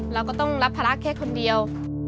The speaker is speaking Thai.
เราก็ต้องรับภาระแค่คนเดียว